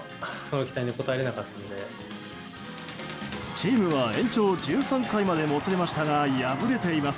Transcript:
チームは延長１３回までもつれましたが、敗れています。